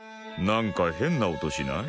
なんか変な音しない？